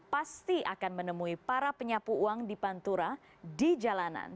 pasti akan menemui para penyapu uang di pantura di jalanan